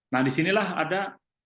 nah disinilah ada